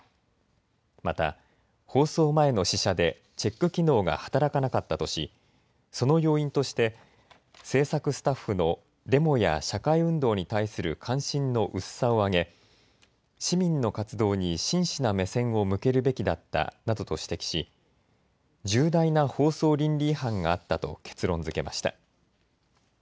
また放送前の試写でチェック機能が働かなかったとし、その要因として制作スタッフのデモや社会運動に対する関心の薄さを挙げ市民の活動に真摯な目線を向けるべきだったなどと指摘し重大な放送倫理違反があったと結論づけました。